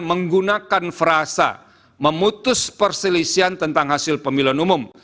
menggunakan frasa memutus perselisian tentang hasil pemilihan umum